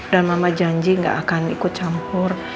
dan mama janji gak akan ikut campur